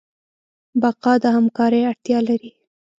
بقا د همکارۍ اړتیا لري.